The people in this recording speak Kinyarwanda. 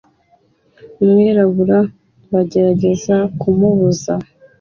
umwirabura bagerageza kumubuza